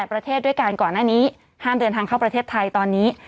ประเทศด้วยกันก่อนหน้านี้ห้ามเดินทางเข้าประเทศไทยตอนนี้